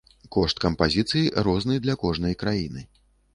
Кошт кампазіцый розны для кожнай краіны.